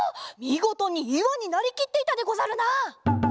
みごとにいわになりきっていたでござるな。